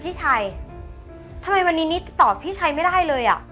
พี่ชัยทำไมวันนี้นิดตอบพี่ชัยไม่ได้เลยอ่ะ